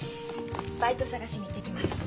バイト探しに行ってきます。